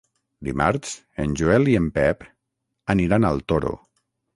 Dimarts en Joel i en Pep aniran al Toro.